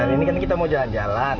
hari ini kan kita mau jalan jalan